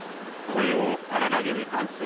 声を荒らげる男性。